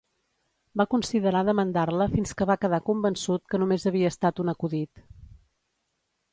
Va considerar demandar-la fins que va quedar convençut que només havia estat un acudit.